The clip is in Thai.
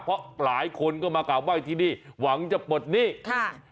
เพราะหลายคนก็มากราบไห้ที่นี่หวังจะปลดหนี้ค่ะ